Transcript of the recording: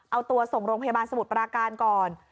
เอาตัวส่งโรงพยาบาลสมุทรปราการก่อน